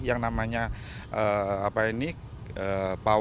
yang namanya apa yang disebut